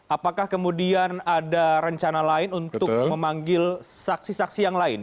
apakah kemudian ada rencana lain untuk memanggil saksi saksi yang lain